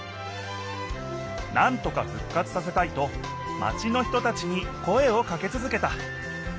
なんとか復活させたいとマチの人たちに声をかけ続けた。